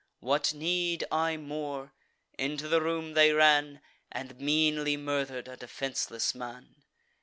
What need I more? Into the room they ran, And meanly murder'd a defenceless man.